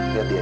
lihat dia ya